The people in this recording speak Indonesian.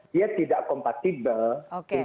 dia tidak kompatibel